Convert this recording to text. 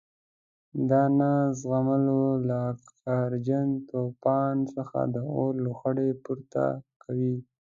د نه زغملو له قهرجن توپان څخه د اور لوخړې پورته کوي.